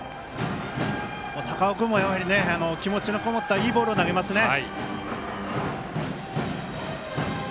高尾君も気持ちのこもったいいボールを投げますね。